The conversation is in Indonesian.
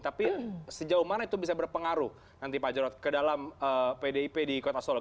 tapi sejauh mana itu bisa berpengaruh nanti pak jarod ke dalam pdip di kota solo